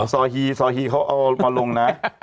ซอฮีซอฮีเขาเอามาลงนะ